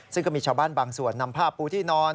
ซึ่งก็มีชาวบ้านบางส่วนนำผ้าปูที่นอน